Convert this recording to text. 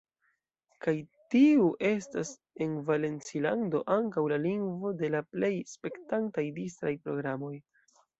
Kaj tiu estas en Valencilando ankaŭ la lingvo de la plej spektataj distraj programoj.